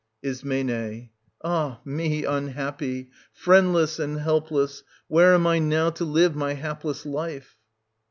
Is. Ah me unhappy ! Friendless and helpless, where am I now to live my hapless life